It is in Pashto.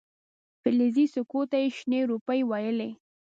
فلزي سکو ته یې شنې روپۍ ویلې.